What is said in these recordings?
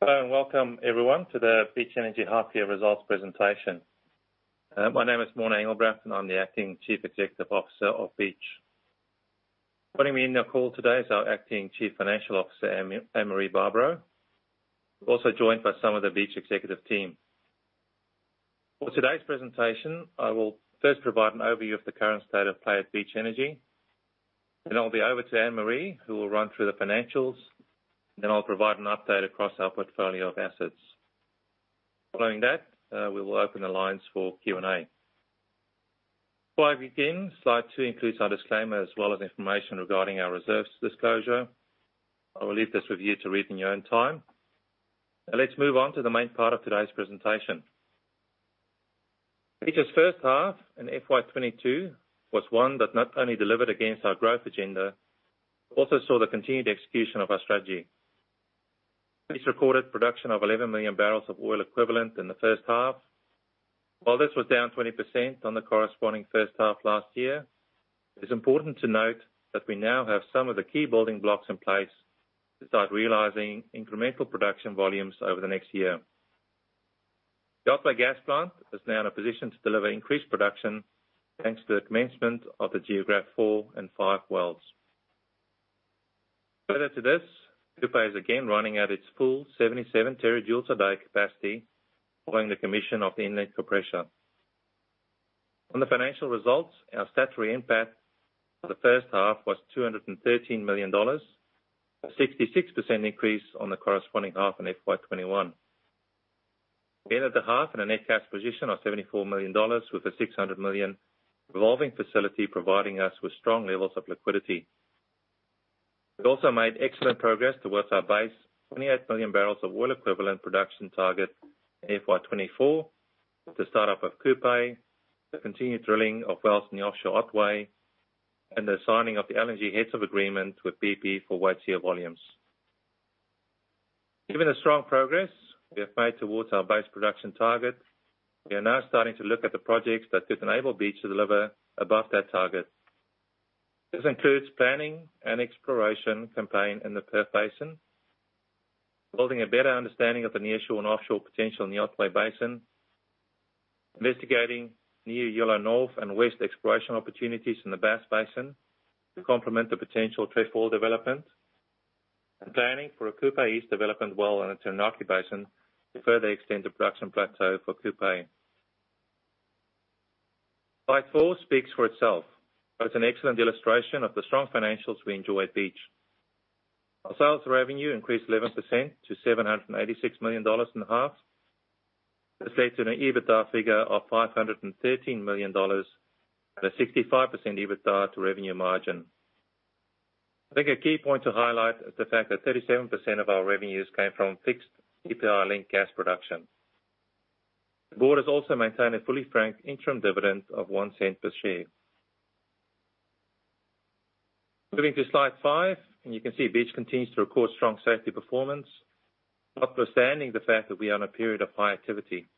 Hello, and welcome everyone to the Beach Energy half year results presentation. My name is Morné Engelbrecht, and I'm the acting Chief Executive Officer of Beach. Joining me in the call today is our acting Chief Financial Officer, Anne-Marie Barbaro. We're also joined by some of the Beach executive team. For today's presentation, I will first provide an overview of the current state of play at Beach Energy. I'll be over to Anne-Marie, who will run through the financials. I'll provide an update across our portfolio of assets. Following that, we will open the lines for Q&A. Before I begin, slide two includes our disclaimer as well as information regarding our reserve's disclosure. I will leave this with you to read in your own time. Now let's move on to the main part of today's presentation. Beach's first half in FY 2022 was one that not only delivered against our growth agenda but also saw the continued execution of our strategy. Beach recorded production of 11 million bbls of oil equivalent in the first half. While this was down 20% on the corresponding first half last year, it is important to note that we now have some of the key building blocks in place to start realizing incremental production volumes over the next year. The Otway Gas Plant is now in a position to deliver increased production, thanks to the commencement of the Geographe-4 and -5 wells. Further to this, Cooper is again running at its full 77 TJ a day capacity following the commissioning of the Inlet Compressor. On the financial results, our statutory NPAT for the first half was $213 million, a 66% increase on the corresponding half in FY 2021. We ended the half in a net cash position of $74 million with a 600 million revolving facility providing us with strong levels of liquidity. We also made excellent progress towards our base 28 million bbls of oil equivalent production target in FY 2024 with the start-up of Cooper, the continued drilling of wells in the offshore Otway, and the signing of the LNG Heads of Agreement with BP for Waitsia volumes. Given the strong progress we have made towards our base production target, we are now starting to look at the projects that could enable Beach to deliver above that target. This includes planning an Exploration Campaign in the Perth Basin, building a better understanding of the nearshore and offshore potential in the Otway Basin, investigating new Yolla North and West Exploration opportunities in the Bass Basin to complement the Potential Trefoil Development, and planning for a Cooper East Development well in the Timor Sea Basin to further extend the production plateau for Cooper. Slide four speaks for itself. It's an excellent illustration of the strong financials we enjoy at Beach. Our sales revenue increased 11% to $786 million in the half. This led to an EBITDA figure of $513 million at a 65% EBITDA to revenue margin. I think a key point to highlight is the fact that 37% of our revenues came from fixed CPI-linked gas production. The board has also maintained a fully franked interim dividend of 0.01 per share. Moving to slide five, you can see Beach continues to record strong safety performance, notwithstanding the fact that we are in a period of high activity.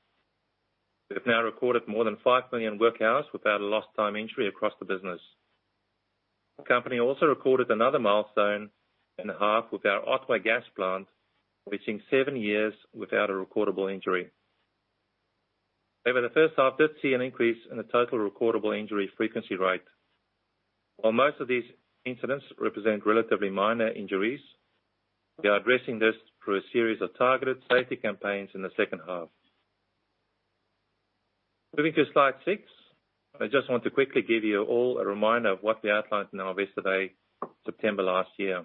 We have now recorded more than 5 million work hours without a lost time injury across the business. The company also recorded another milestone in the half with our Otway Gas Plant, reaching seven years without a Recordable Injury. Over the first half, we did see an increase in the Total Recordable Injury Frequency Rate. While most of these incidents represent relatively minor injuries, we are addressing this through a series of targeted safety campaigns in the second half. Moving to slide six. I just want to quickly give you all a reminder of what we outlined in our Investor Day, September last year.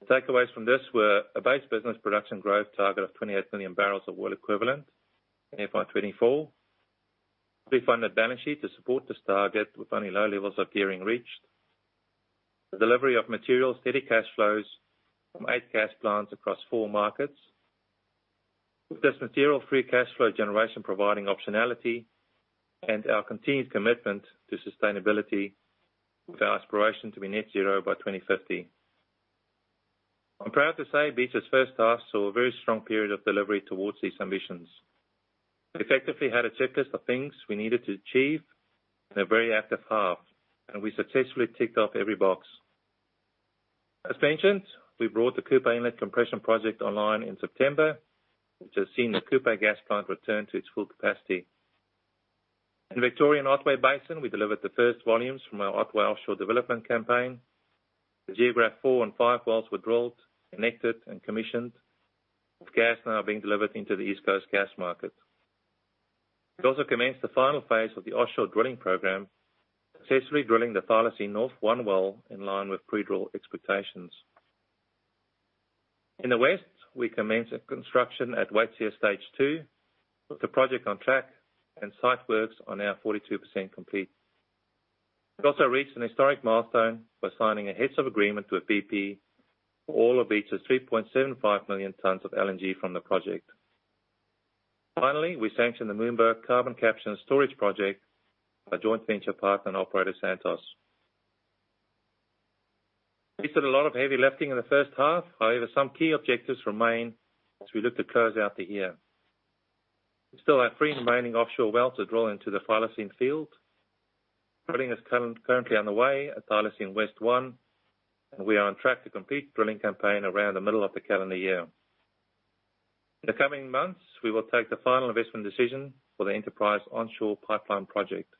The takeaways from this were a base business production growth target of 28 million bbls of oil equivalent in FY 2024. A funded balance sheet to support this target with only low levels of gearing reached. The delivery of material steady cash flows from eight Gas Plants across four markets. With this material Free Cash Flow generation providing optionality and our continued commitment to sustainability with our aspiration to be net zero by 2050. I'm proud to say Beach's first half saw a very strong period of delivery towards these ambitions. We effectively had a checklist of things we needed to achieve in a very active half, and we successfully ticked off every box. As mentioned, we brought the Cooper Inlet Compression Project online in September, which has seen the Cooper Gas Plant return to its full capacity. In the Victorian Otway Basin, we delivered the first volumes from our Otway offshore Development Campaign. The Geographe-4 and -5 wells were drilled, connected, and commissioned with gas now being delivered into the East Coast Gas Market. We also commenced the final phase of the Offshore Drilling Program, successfully drilling the Thylacine North-one well in line with pre-drill expectations. In the West, we commenced construction at Waitsia Stage two, with the project on track and site works are now 42% complete. We also reached an historic milestone by signing a Heads of Agreement with BP for all of Beach's 3.75 million tons of LNG from the project. Finally, we sanctioned the Moomba Carbon Capture and Storage Project, our joint venture partner, and operator, Santos. We did a lot of heavy lifting in the first half. However, some key objectives remain as we look to close out the year. We still have three remaining offshore wells to drill into the Thylacine field. Drilling is currently on the way at Thylacine West-one, and we are on track to complete drilling campaign around the middle of the calendar year. In the coming months, we will take the final investment decision for the Enterprise Onshore Pipeline Project.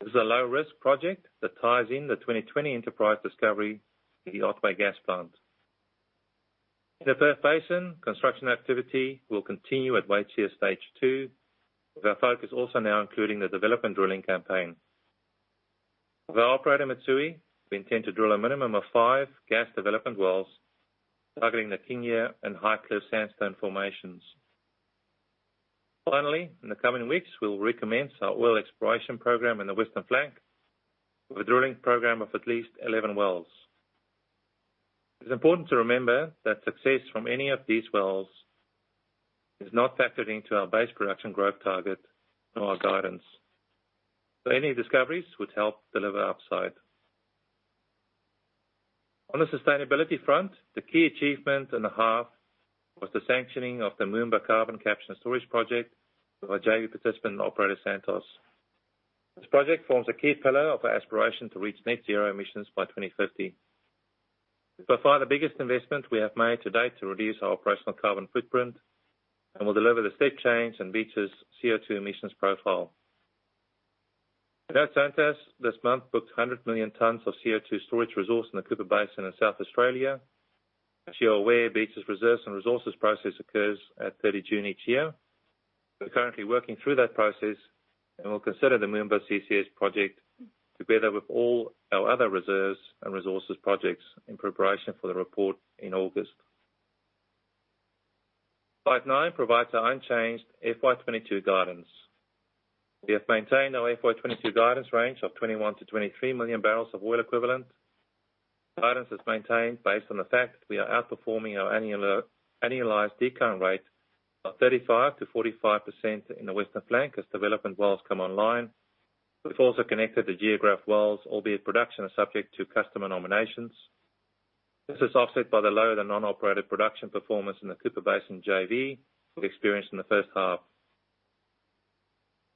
This is a low-risk project that ties in the 2020 Enterprise discovery to the Otway Gas Plant. In the Perth Basin, construction activity will continue at Waitsia Stage two, with our focus also now including the Development Drilling Campaign. As our operator, Mitsui, we intend to drill a minimum of five gas development wells targeting the Kingia and High Cliff Sandstone Formations. Finally, in the coming weeks, we will recommence our Oil Exploration Program in the Western Flank with a Drilling Program of at least 11 wells. It's important to remember that success from any of these wells is not factored into our base production growth target nor our guidance, so any discoveries would help deliver upside. On the sustainability front, the key achievement in the half was the sanctioning of the Moomba Carbon Capture and Storage Project with our JV participant and operator, Santos. This project forms a key pillar of our aspiration to reach net zero emissions by 2050. It's by far the biggest investment we have made to date to reduce our operational carbon footprint and will deliver the step change in Beach's CO₂ emissions profile. We heard Santos this month booked 100 million tons of CO₂ storage resource in the Cooper Basin in South Australia. As you're aware, Beach's Reserves and Resources process occurs at 30 June each year. We're currently working through that process, and we'll consider the Moomba CCS Project together with all our other Reserves and Resources Projects in preparation for the report in August. Slide nine provides our unchanged FY 2022 guidance. We have maintained our FY 2022 guidance range of 21 million bbls-23 million bbls of Oil Equivalent. Guidance is maintained based on the fact we are outperforming our annualized decline rate of 35%-45% in the Western Flank as development wells come online. We've also connected the Geographe wells, albeit production is subject to customer nominations. This is offset by the lower than non-operated production performance in the Cooper Basin JV we've experienced in the first half.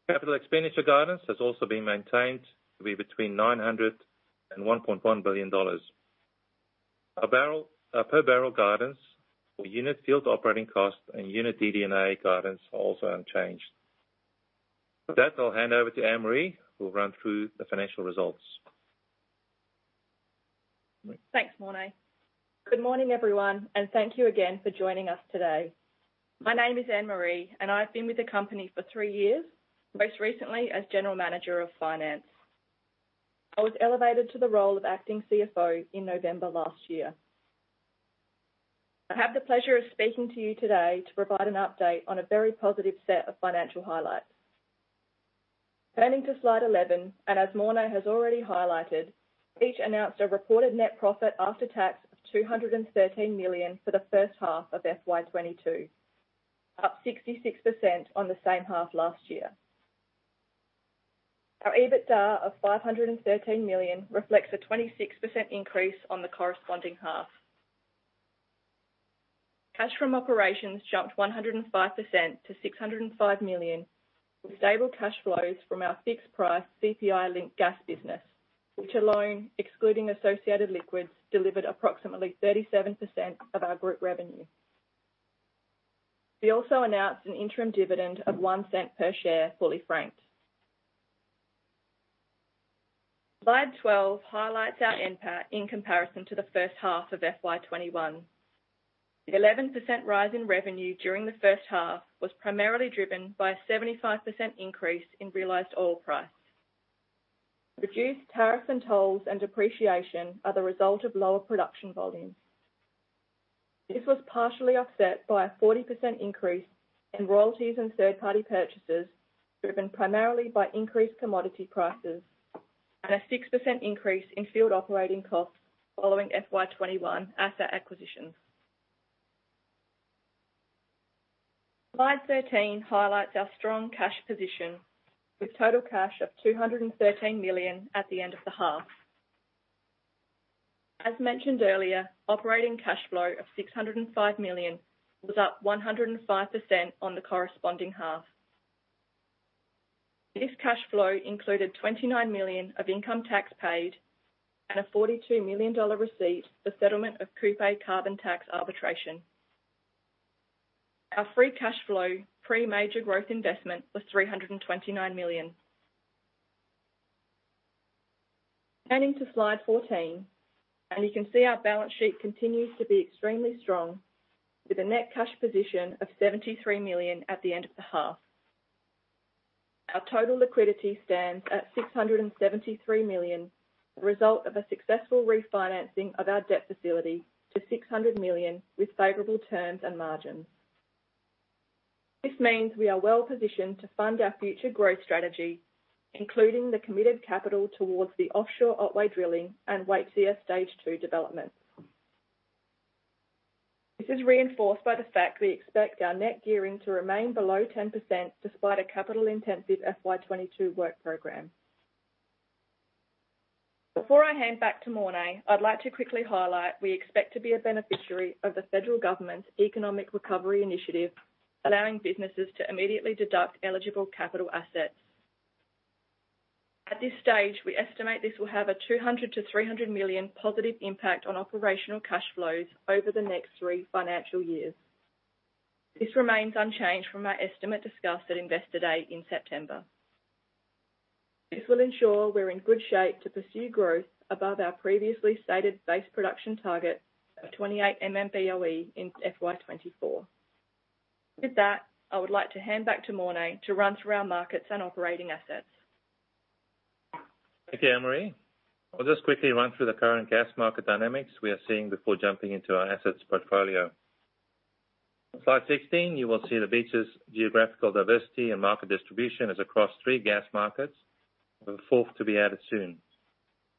Capital expenditure guidance has also been maintained to be between $900 million and $1.1 billion. Our per barrel guidance for unit field operating costs and unit DD&A guidance are also unchanged. With that, I'll hand over to Anne-Marie, who will run through the financial results. Thanks, Morné good morning, everyone, and thank you again for joining us today. My name is Anne-Marie, and I've been with the company for three years, most recently as General Manager of Finance. I was elevated to the role of acting CFO in November last year. I have the pleasure of speaking to you today to provide an update on a very positive set of financial highlights. Turning to slide 11, as Morné has already highlighted, Beach announced a reported net profit after tax of 213 million for the first half of FY 2022, up 66% on the same half last year. Our EBITDA of 513 million reflects a 26% increase on the corresponding half. Cash From Operations jumped 105% to 605 million, with stable cash flows from our fixed price CPI-linked gas business, which alone, excluding associated liquids, delivered approximately 37% of our group revenue. We also announced an interim dividend of 0.01 per share, fully franked. Slide 12 highlights our NPAT in comparison to the first half of FY 2021. The 11% rise in revenue during the first half was primarily driven by a 75% increase in realized oil price. Reduced tariffs and tolls and depreciation are the result of lower production volumes. This was partially offset by a 40% increase in royalties and third-party purchases, driven primarily by increased commodity prices and a 6% increase in field operating costs following FY 2021 Asset Acquisitions. Slide 13 highlights our strong cash position with total cash of 213 million at the end of the half. As mentioned earlier, Operating Cash Flow of 605 million was up 105% on the corresponding half. This cash flow included 29 million of income tax paid and a 42 million dollar receipt for settlement of Cooper carbon tax arbitration. Our Free Cash Flow, pre-major growth investment, was 329 million. Turning to slide 14, you can see our balance sheet continues to be extremely strong with a net cash position of 73 million at the end of the half. Our total liquidity stands at 673 million, a result of a successful refinancing of our debt facility to 600 million with favorable terms, and margins. This means we are well-positioned to fund our future growth strategy, including the committed capital towards the offshore Otway Drilling and Waitsia Stage Two Development. This is reinforced by the fact we expect our net gearing to remain below 10% despite a capital-intensive FY 2022 work program. Before I hand back to Morné, I'd like to quickly highlight we expect to be a beneficiary of the federal government's economic recovery initiative, allowing businesses to immediately deduct eligible capital assets. At this stage, we estimate this will have a 200 million-300 million positive impact on Operational Cash Flows over the next three financial years. This remains unchanged from our estimate discussed at Investor Day in September. This will ensure we're in good shape to pursue growth above our previously stated base production target of 28 MMboe in FY 2024. With that, I would like to hand back to Morné to run through our markets and operating assets. Thank you Anne-Marie. I'll just quickly run through the current gas market dynamics we are seeing before jumping into our asset's portfolio. Slide 16, you will see Beach's geographical diversity and market distribution is across three gas markets, with a fourth to be added soon.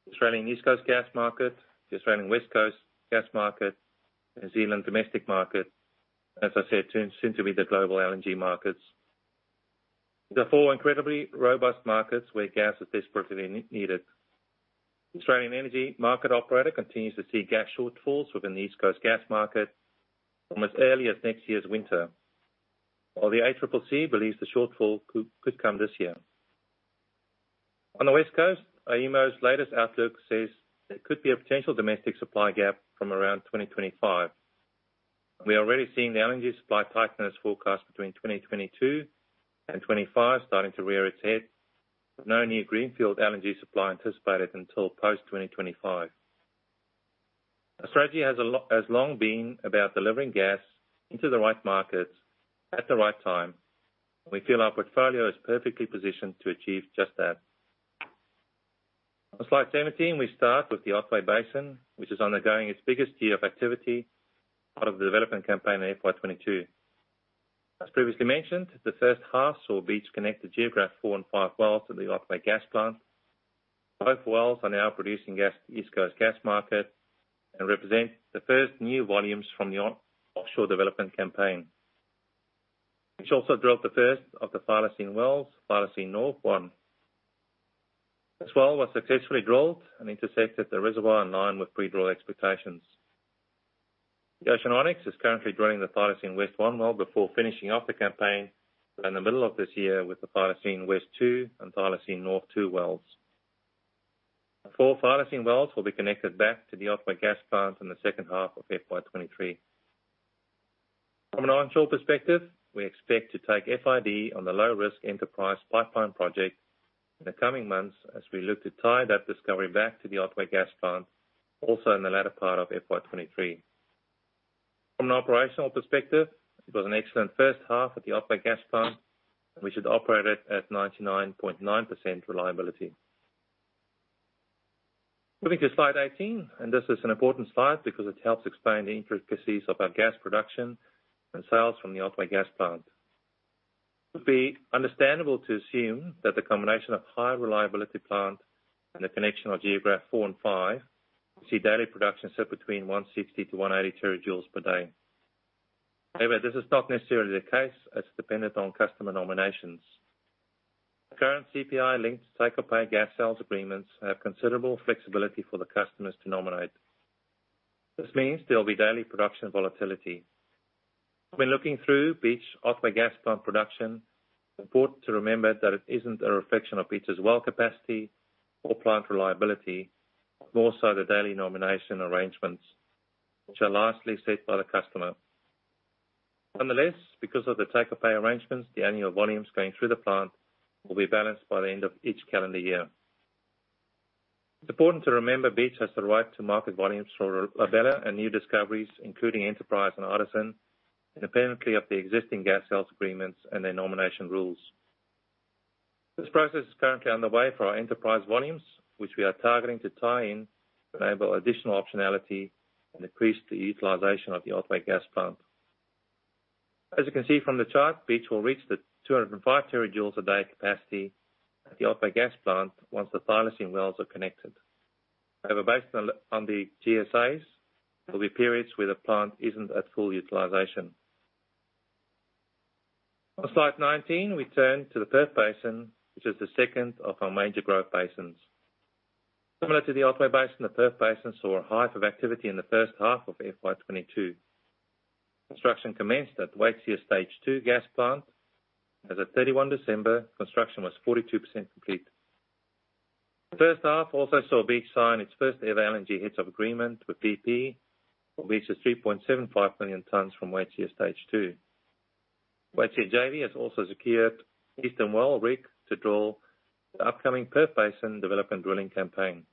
The Australian East Coast Gas Market, the Australian West Coast Gas Market, New Zealand Domestic Market, as I said, soon to be the Global LNG Markets. These are four incredibly robust markets where gas is desperately needed. The Australian Energy Market Operator continues to see gas shortfalls within the East Coast gas market as early as next year's winter. While the ACCC believes the shortfall could come this year. On the West Coast, AEMO's latest outlook says there could be a potential domestic supply gap from around 2025. We are already seeing the LNG supply tightness forecast between 2022 and 2025 starting to rear its head, with no new greenfield LNG supply anticipated until post-2025. Our strategy has long been about delivering gas into the right markets at the right time, and we feel our portfolio is perfectly positioned to achieve just that. On slide 17, we start with the Otway Basin, which is undergoing its biggest year of activity, part of the development campaign in FY 2022. As previously mentioned, the first half saw Beach connect the Geographe-4 and -5 wells to the Otway Gas Plant. Both wells are now producing gas to the East Coast Gas Market and represent the first new volumes from the Offshore Development Campaign, which also drilled the first of the Thylacine wells, Thylacine North-one. This well was successfully drilled, and intersected the reservoir in line with pre-drill expectations. The Ocean Onyx is currently drilling the Thylacine West-one well before finishing off the campaign in the middle of this year with the Thylacine West-two and Thylacine North-two wells. The four Thylacine wells will be connected back to the Otway Gas Plant in the second half of FY 2023. From an onshore perspective, we expect to take FID on the low-risk Enterprise Pipeline Project in the coming months as we look to tie that discovery back to the Otway Gas Plant, also in the latter part of FY 2023. From an operational perspective, it was an excellent first half at the Otway Gas Plant, and we should operate it at 99.9% reliability. Moving to slide 18, this is an important slide because it helps explain the intricacies of our gas production, and sales from the Otway Gas Plant. It would be understandable to assume that the combination of high reliability plant and the connection of Geographe-4, and -5 will see daily production sit between 160 TJ-180 TJ per day. However, this is not necessarily the case, as dependent on customer nominations. The current CPI-linked take-or-pay gas sales agreements have considerable flexibility for the customers to nominate. This means there'll be daily production volatility. When looking through Beach's Otway Gas Plant Production, it's important to remember that it isn't a reflection of Beach's well capacity or plant reliability, but more so the daily nomination arrangements which are lastly set by the customer. Nonetheless, because of the take-or-pay arrangements, the annual volumes going through the plant will be balanced by the end of each calendar year. It's important to remember Beach has the right to market volumes for La Bella, and new discoveries, including Enterprise, and Artisan, independently of the Existing Gas Sales Agreements, and their nomination rules. This process is currently underway for our Enterprise volumes, which we are targeting to tie in to enable additional optionality, and increase the utilization of the Otway Gas Plant. As you can see from the chart, Beach will reach the 205 TJ a day capacity at the Otway Gas Plant once the Thylacine wells are connected. However, based on the GSAs, there will be periods where the plant isn't at full utilization. On slide 19, we turn to the Perth Basin, which is the second of our major growth basins. Similar to the Otway Basin, the Perth Basin saw a hive of activity in the first half of FY 2022. Construction commenced at the Waitsia Stage Two Gas Plant. As at 31 December, construction was 42% complete. The first half also saw Beach sign its first-ever LNG Heads of Agreement with BP, which is 3.75 million tons from Waitsia Stage Two. Waitsia JV has also secured Ensign Rig to Drill the upcoming Perth Basin Development Drilling Campaign.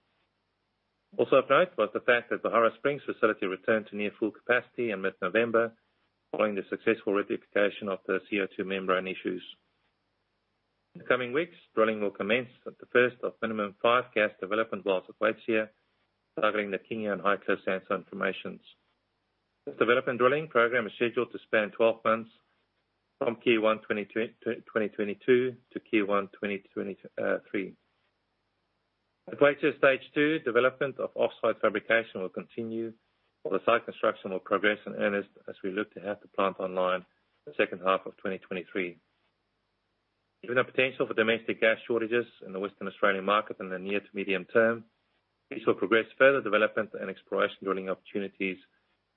Also of note was the fact that the Beharra Springs Facility returned to near full capacity in mid-November following the successful rectification of the CO₂ membrane issues. In the coming weeks, drilling will commence at the first of minimum five gas development wells at Waitsia, targeting the Kingia and High Cliff Sandstone Formations. This Development Drilling Program is scheduled to span 12 months from Q1 2022-Q1 2023. At Waitsia Stage two, development of offsite fabrication will continue while the site construction will progress in earnest as we look to have the plant online the second half of 2023. Given the potential for domestic gas shortages in the Western Australian market in the near to medium term, this will progress further development, and Exploration drilling opportunities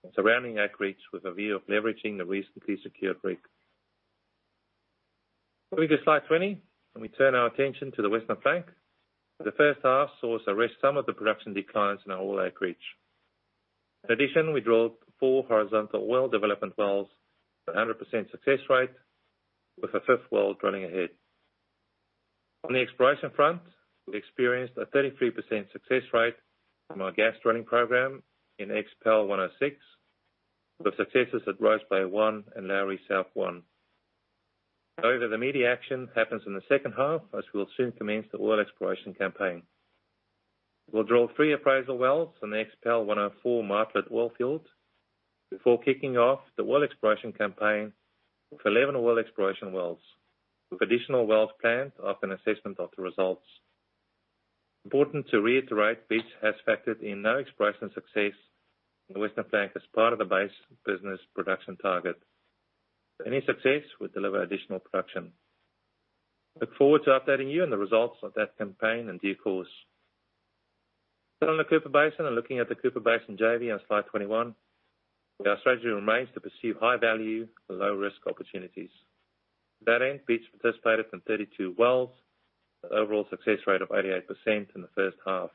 and surrounding acreage with a view of leveraging the recently secured Rig. Moving to slide 20, we turn our attention to the Western Flank. The first half saw us arrest some of the production declines in our oil acreage. In addition, we drilled four horizontal oil development wells at a 100% success rate with a fifth well drilling ahead. On the exploration front, we experienced a 33% success rate from our Gas Drilling Program in PEL 106, with successes at Rosebay-1, and Lowry South-1. However, the immediate action happens in the second half as we'll soon commence the Oil Exploration Campaign. We'll drill three appraisal wells in the PEL 104 MacKillop Oil Field before kicking off the Oil Exploration Campaign with 11 Oil Exploration wells, with additional wells planned after an assessment of the results. Important to reiterate, Beach has factored in no exploration success in the Western Flank as part of the base business production target. Any success would deliver additional production. Look forward to updating you on the results of that campaign in due course. On the Cooper Basin, and looking at the Cooper Basin JV on slide 21, our strategy remains to pursue high value to low-risk opportunities. To that end, Beach participated in 32 wells, with an overall success rate of 88% in the first half.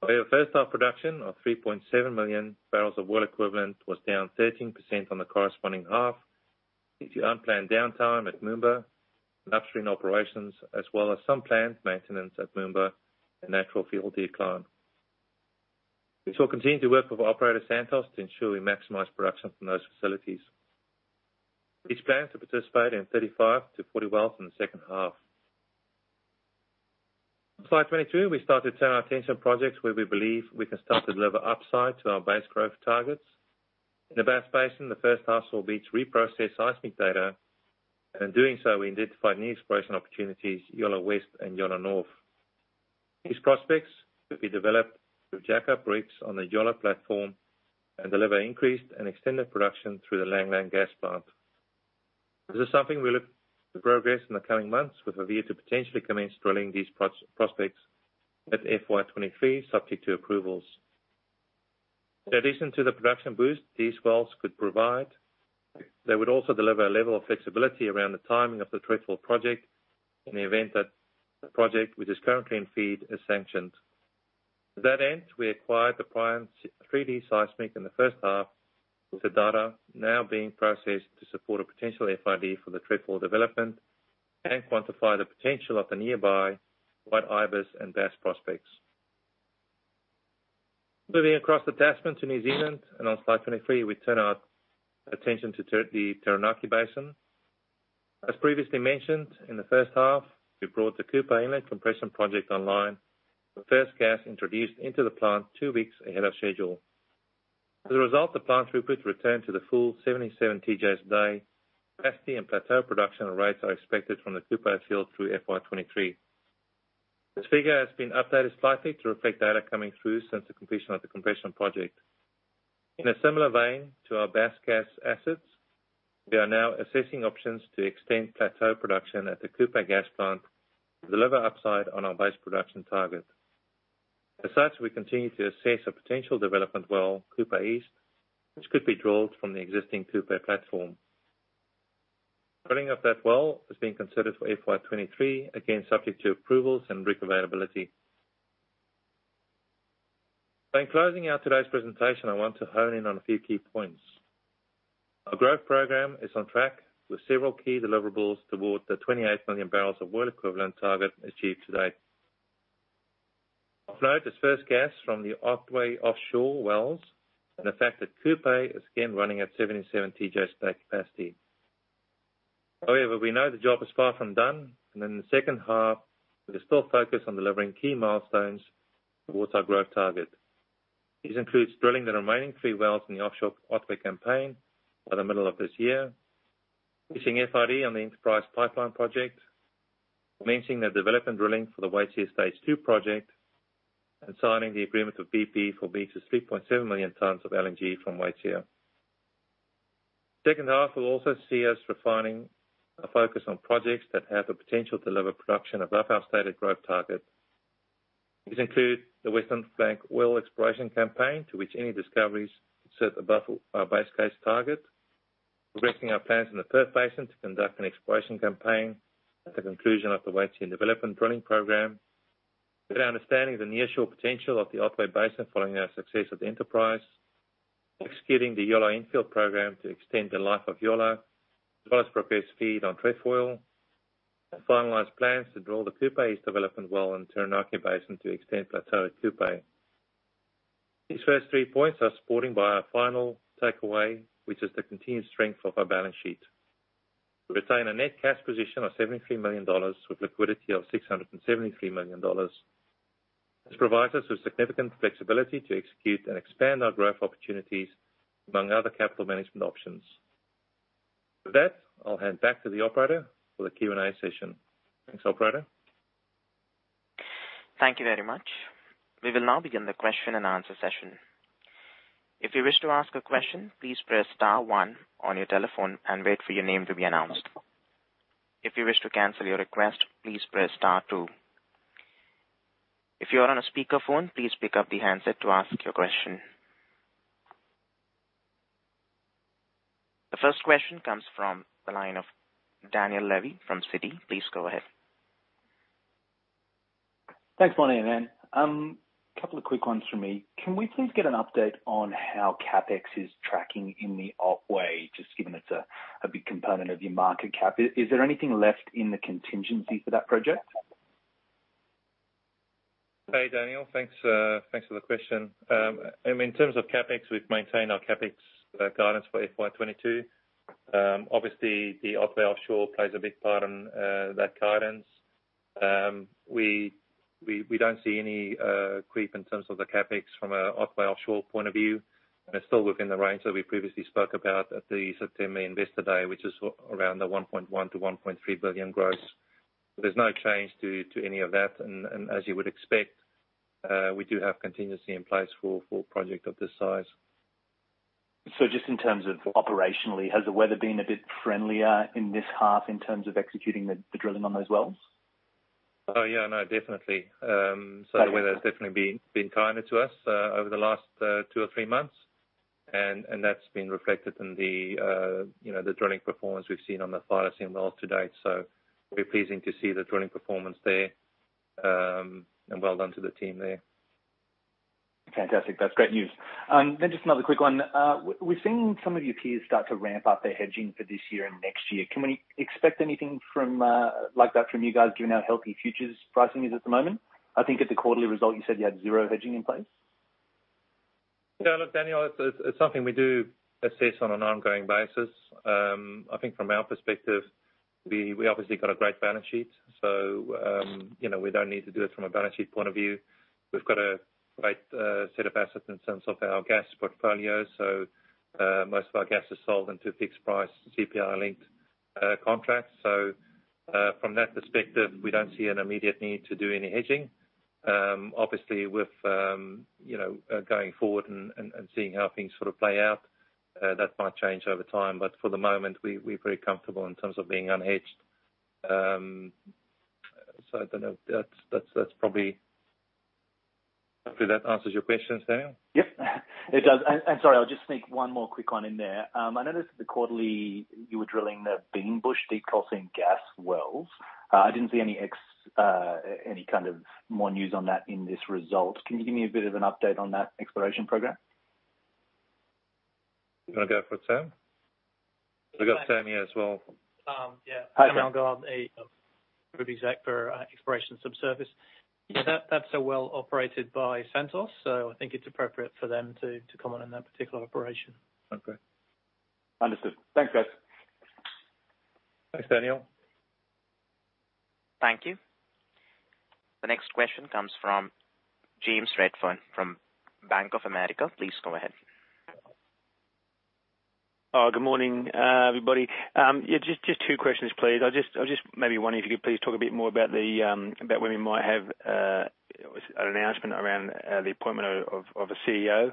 However, first half production of 3.7 million bbls of Oil Equivalent was down 13% on the corresponding half, due to unplanned downtime at Moomba, and upstream operations, as well as some planned maintenance at Moomba, and natural field decline. We shall continue to work with operator Santos to ensure we maximize production from those facilities. Beach plans to participate in 35-40 wells in the second half. On slide 22, we start to turn our attention on projects where we believe we can start to deliver upside to our base growth targets. In the Bass Basin, the first half saw Beach reprocess seismic data. In doing so, we identified new exploration opportunities, Yolla West and Yolla North. These prospects will be developed with jackup rigs on the Yolla Platform, and deliver increased, and extended production through the Lang Lang Gas Plant. This is something we look to progress in the coming months with a view to potentially commence drilling these prospects at FY 2023, subject to approvals. In addition to the production boost these wells could provide, they would also deliver a level of flexibility around the timing of the Trefoil Project in the event that the project, which is currently in FEED, is sanctioned. To that end, we acquired the Prion 3D seismic in the first half, with the data now being processed to support a potential FID for the Trefoil Development and quantify the potential of the nearby White Ibis and Bass prospects. Moving across the Tasman to New Zealand, and on slide 23, we turn our attention to the Taranaki Basin. As previously mentioned, in the first half, we brought the Kupe Inlet Compression Project online, with first gas introduced into the plant two weeks ahead of schedule. As a result, the plant throughput returned to the full 77 TJs/day capacity, and plateau production rates are expected from the Kupe Field through FY 2023. This figure has been updated slightly to reflect data coming through since the completion of the compression project. In a similar vein to our BassGas Assets, we are now assessing options to extend plateau production at the Kupe Gas Plant to deliver upside on our base production target. Aside, we continue to assess a potential development well, Kupe East, which could be drilled from the existing Kupe Platform. Building up that well is being considered for FY 2023, again, subject to approvals and Rig availability. In closing out today's presentation, I want to hone in on a few key points. Our growth program is on track with several key deliverables towards the 28 million bbls of Oil Equivalent target achieved to date. Of note is first gas from the Otway Offshore wells and the fact that Kupe is again running at 77 TJ per day capacity. However, we know the job is far from done, and in the second half we are still focused on delivering key milestones towards our growth target. This includes drilling the remaining three wells in the Offshore Otway Campaign by the middle of this year, issuing FID on the Enterprise Pipeline Project, commencing the development drilling for the Waitsia Stage 2 project, and signing the agreement with BP for Beach's 3.7 million tons of LNG from Waitsia. Second half will also see us refining a focus on projects that have the potential to deliver production above our stated growth target. These include the Western Flank Oil Exploration Campaign, to which any discoveries sit above our base case target. Progressing our plans in the Perth Basin to conduct an Exploration Campaign at the conclusion of the Waitsia Development Drilling Program. Better understanding the nearshore potential of the Otway Basin following our success with Enterprise. Executing the Yolla Infill Program to extend the life of Yolla, as well as progress FEED on Trefoil and finalize plans to drill the Kupe East Development well in Taranaki Basin to extend plateau at Kupe. These first three points are supported by our final takeaway, which is the continued strength of our balance sheet. We retain a net cash position of $73 million with liquidity of $673 million. This provides us with significant flexibility to execute and expand our growth opportunities, among other capital management options. With that, I'll hand back to the operator for the Q&A session. Thanks, operator. Thank you very much. We will now begin the question-and-answer session. If you wish to ask a question, please press star one on your telephone, and wait for your name to be announced. If you wish to cancel your request, please press star two. If you are on a speakerphone, please pick up the handset to ask your question. The first question comes from the line of Daniel Levy from Citi. Please go ahead. Thanks, Morné. A couple of quick ones from me. Can we please get an update on how CapEx is tracking in the Otway, just given it's a big component of your market cap? Is there anything left in the contingency for that project? Hey, Daniel. Thanks for the question. I mean, in terms of CapEx, we've maintained our CapEx guidance for FY 2022. Obviously, the Otway Offshore plays a big part in that guidance. We don't see any creep in terms of the CapEx from a Otway Offshore point of view. It's still within the range that we previously spoke about at the September investor day, which is around the 1.1 billion-1.3 billion gross. There's no change to any of that. As you would expect, we do have contingency in place for a project of this size. Just in terms of operationally, has the weather been a bit friendlier in this half in terms of executing the drilling on those wells? Oh, yeah, no definitely. Okay. The weather's definitely been kinder to us over the last two or three months. That's been reflected in the you know the drilling performance we've seen on the Thylacine wells to date. We're pleased to see the drilling performance there. Well, done to the team there. Fantastic. That's great news. Just another quick one. We're seeing some of your peers start to ramp up their hedging for this year and next year. Can we expect anything from, like that from you guys given how healthy futures pricing is at the moment? I think at the quarterly result you said you had zero hedging in place. Yeah, look Daniel, it's something we do assess on an ongoing basis. I think from our perspective, we obviously got a great balance sheet, so you know, we don't need to do it from a balance sheet point of view. We've got a great set of assets in terms of our gas portfolio, so most of our gas is sold into fixed price CPI-linked contracts. From that perspective, we don't see an immediate need to do any hedging. Obviously, with you know, going forward and seeing how things sort of play out, that might change over time, but for the moment, we're pretty comfortable in terms of being unhedged. I don't know. That's probably. Hopefully that answers your question, Daniel. Yep. It does, sorry I'll just sneak one more quick one in there. I noticed at the quarterly you were drilling the Beanbush Deep Crossing Gas Wells. I didn't see any kind of more news on that in this result. Can you give me a bit of an update on that Exploration Program? You wanna go for it, Sam? We've got Sam here as well. Yeah. Hi, Sam. I'll go on a exec for exploration subsurface. Yeah, that's a well operated by Santos, so I think it's appropriate for them to comment on that particular operation. Okay. Understood. Thanks, guys. Thanks, Daniel. Thank you. The next question comes from James Redfern from Bank of America. Please go ahead. Oh, good morning, everybody. Yeah, just two questions, please. Maybe one, if you could please talk a bit more about when we might have an announcement around the appointment of a CEO.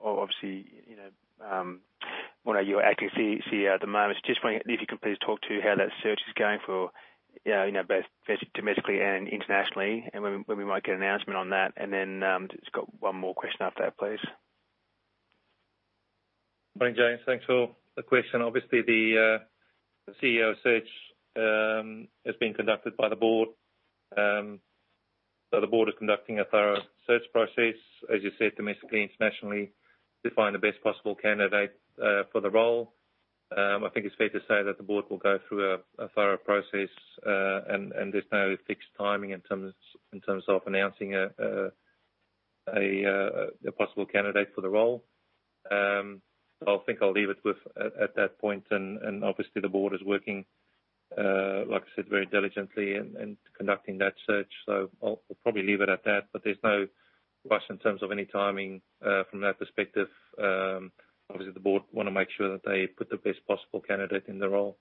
Or obviously, you know, one of your acting CEO at the moment. Just wondering if you could please talk to how that search is going for, you know, both domestically, and internationally, and when we might get an announcement on that. Just got one more question after that, please. Morning, James. Thanks for the question. Obviously, the CEO search is being conducted by the board. The board is conducting a thorough search process, as you said, domestically, internationally, to find the best possible candidate for the role. I think it's fair to say that the board will go through a thorough process, and there's no fixed timing in terms of announcing a possible candidate for the role. I think I'll leave it at that point. Obviously, the board is working, like I said, very diligently in conducting that search, so I'll probably leave it at that. There's no rush in terms of any timing from that perspective. Obviously, the board wanna make sure that they put the best possible candidate in the role.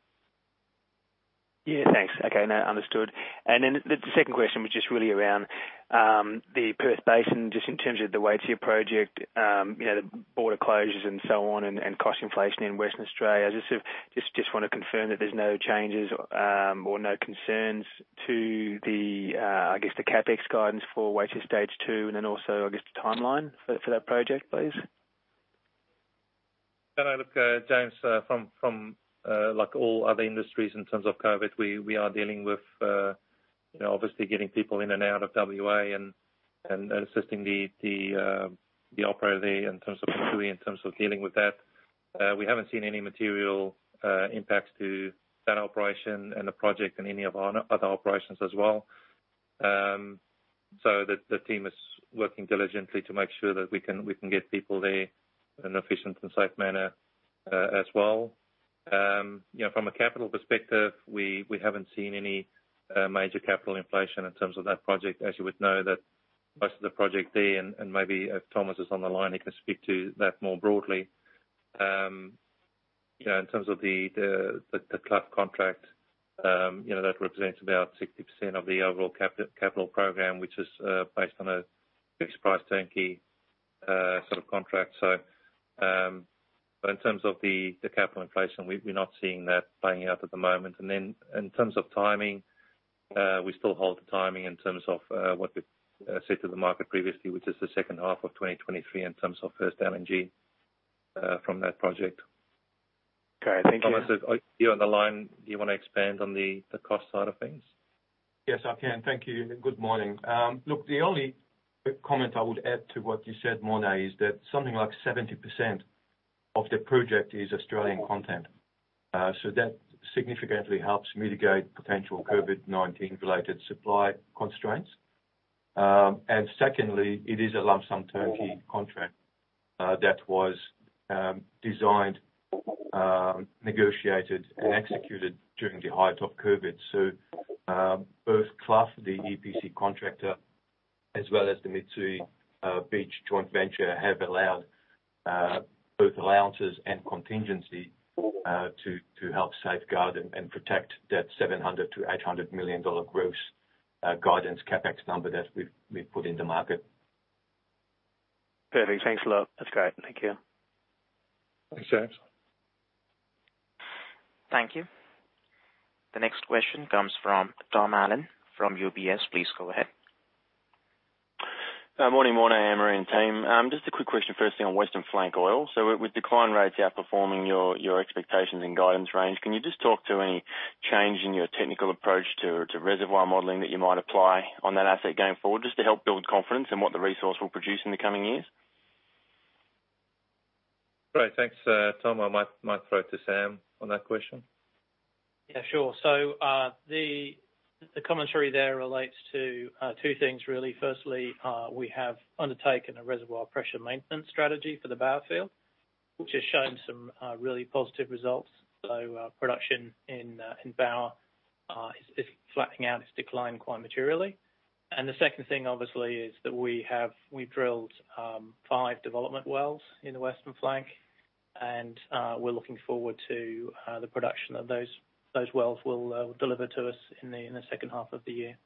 Yeah, thanks. Okay. No, understood. Then the second question was just really around the Perth Basin, just in terms of the Waitsia Project, you know, the border closures and so on and cost inflation in Western Australia. I just want to confirm that there's no changes or no concerns to the, I guess, the CapEx guidance for Waitsia Stage Two, and then also, I guess, the timeline for that project, please. I look, James, from like all other industries in terms of COVID, we are dealing with you know obviously getting people in and out of WA and assisting the operator there in terms of dealing with that. We haven't seen any material impacts to that operation, and the project and any of our other operations as well. The team is working diligently to make sure that we can get people there in an efficient, and safe manner as well. You know, from a capital perspective, we haven't seen any major capital inflation in terms of that project. As you would know that most of the project there, and maybe if Thomas is on the line, he can speak to that more broadly. Yeah, in terms of the Clough Contract, you know that represents about 60% of the overall capital program, which is based on a Fixed-Price Turnkey sort of contract. But in terms of the capital inflation, we're not seeing that playing out at the moment. Then in terms of timing, we still hold the timing in terms of what we said to the market previously, which is the second half of 2023 in terms of first LNG from that project. Okay, thank you. Thomas, are you on the line? Do you wanna expand on the cost side of things? Yes, I can. Thank you, good morning. Look, the only comment I would add to what you said, Morné, is that something like 70% of the project is Australian content. So that significantly helps mitigate potential COVID-19 related supply constraints. And secondly, it is a Lump Sum Turnkey Contract that was designed, negotiated, and executed during the height of COVID. Both Clough, the EPC contractor, as well as the Mitsui and Beach Joint Venture, have allowed both allowances and contingency to help safeguard and protect that $700 million-$800 million gross guidance CapEx number that we've put in the market. Perfect, thanks a lot. That's great, thank you. Thanks, James. Thank you. The next question comes from Tom Allen from UBS. Please go ahead. Morning, Morné and team. Just a quick question firstly on Western Flank Oil. With decline rates outperforming your expectations and guidance range, can you just talk to any change in your technical approach to reservoir modeling that you might apply on that asset going forward, just to help build confidence in what the resource will produce in the coming years? Great. Thanks Tom, I might throw to Sam on that question. Yeah. Sure, the commentary there relates to two things really. Firstly, we have undertaken a reservoir pressure maintenance strategy for the Bauer Field, which has shown some really positive results. Production in Bauer is flattening out. It's declined quite materially. The second thing obviously is that we drilled five development wells in the Western Flank and we're looking forward to the production that those wells will deliver to us in the second half of the year.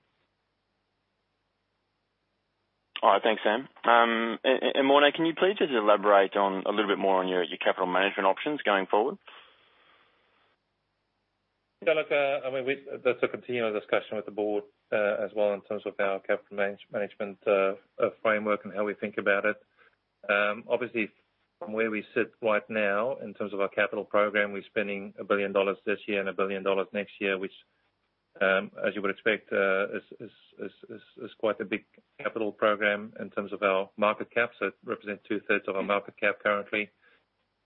All right, thanks Sam. Morné, can you please just elaborate on a little bit more on your capital management options going forward? I mean, that's a continual discussion with the board as well in terms of our Capital Management Framework and how we think about it. Obviously from where we sit right now in terms of our Capital Program, we're spending $1 billion this year, and $1 billion next year, which, as you would expect, is quite a big Capital Program in terms of our market cap. It represents 2/3 of our market cap currently.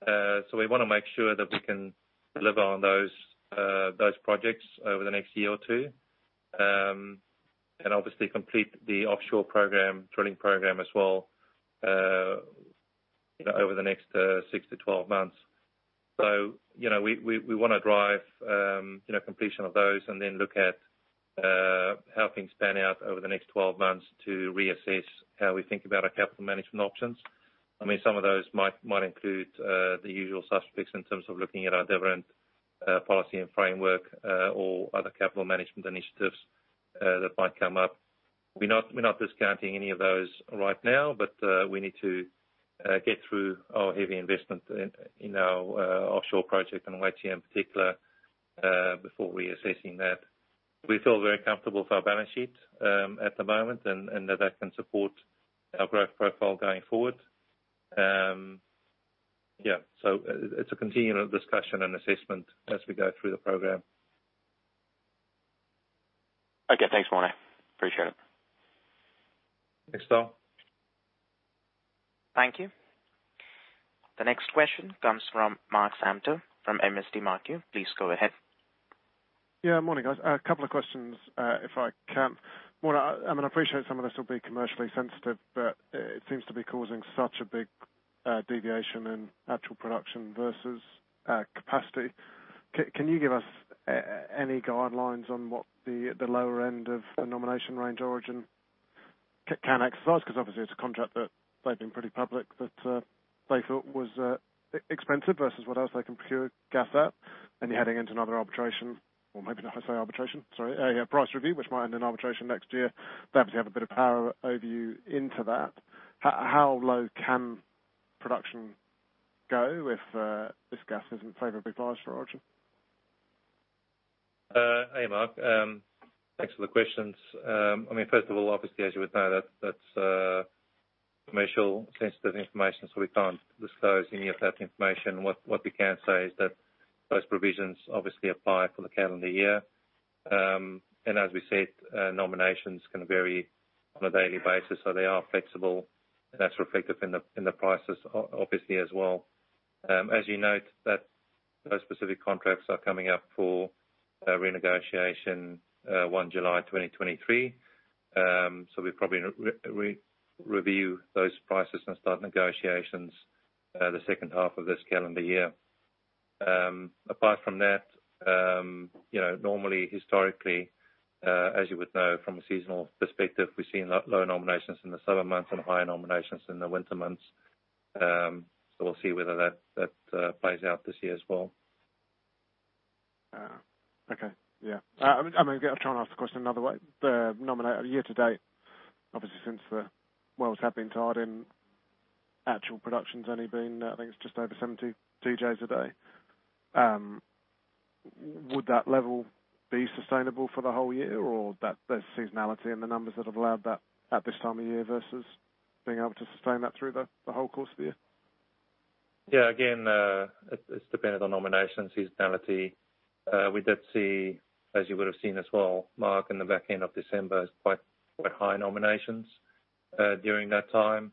We want to make sure that we can deliver on those projects over the next year or two and obviously complete the Offshore Program, Drilling Program as well, you know, over the next six-12 months. You know, we wanna drive you know, completion of those, and then look at spanning out over the next 12 months to reassess how we think about our Capital Management options. I mean, some of those might include the usual suspects in terms of looking at our dividend policy, and framework or other Capital Management initiatives that might come up. We're not discounting any of those right now, but we need to get through our heavy investment in our Offshore Project, and Waitsia in particular before reassessing that. We feel very comfortable with our balance sheet at the moment, and that can support our growth profile going forward. Yeah, it's a continual discussion, and assessment as we go through the program. Okay. Thanks Morné. Appreciate it. Thanks, Tom. Thank you. The next question comes from Mark Samter from MST Marquee. Please go ahead. Yeah, morning guys. A couple of questions, if I can. Morné I mean, I appreciate some of this will be commercially sensitive, but it seems to be causing such a big deviation in actual production versus capacity. Can you give us any guidelines on what the lower end of the nomination range Origin can exercise? Cause obviously it's a contract that they've been pretty public that they thought was expensive versus what else they can procure gas at. You're heading into another price review, which might end in arbitration next year. They obviously have a bit of power over you into that. How low can production go if this gas isn't favorably priced for Origin? Hey, Mark thanks for the questions. I mean, first of all, obviously, as you would know, that's commercially sensitive information, so we can't disclose any of that information. What we can say is that those provisions obviously apply for the calendar year. As we said, nominations can vary on a daily basis, so they are flexible, and that's reflective in the prices obviously as well. As you note that those specific contracts are coming up for renegotiation, 1 July 2023. So, we probably review those prices, and start negotiations the second half of this calendar year. Apart from that, you know, normally, historically, as you would know from a seasonal perspective, we've seen low nominations in the summer months, and higher nominations in the winter months. We'll see whether that plays out this year as well. I'm gonna try, and ask the question another way. The nomination year to date, obviously since the wells have been tied in, actual production's only been, I think it's just over 70 TJ a day. Would that level be sustainable for the whole year or that there's seasonality in the numbers that have allowed that at this time of year versus being able to sustain that through the whole course of the year? Again, it's dependent on nomination seasonality. We did see, as you would have seen as well, Mark in the back end of December, quite high nominations during that time.